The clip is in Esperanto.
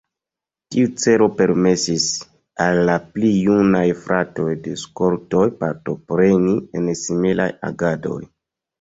Tiu celo permesis al la pli junaj fratoj de skoltoj partopreni en similaj agadoj.